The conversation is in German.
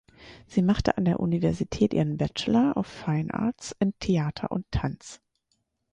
Sie machte an der Universität ihren Bachelor of Fine Arts in Theater und Tanz.